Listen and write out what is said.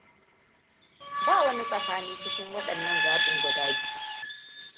Ba wani tsakani cikin waɗannan zaɓin guda biyu.